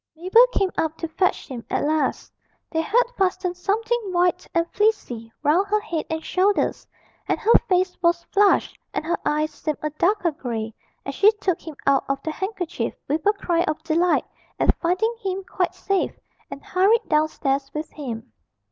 Mabel came up to fetch him at last; they had fastened something white and fleecy round her head and shoulders, and her face was flushed and her eyes seemed a darker grey as she took him out of the handkerchief, with a cry of delight at finding him quite safe, and hurried downstairs with him.